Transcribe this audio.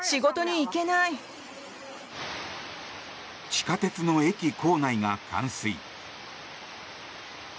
地下鉄の駅構内が冠水。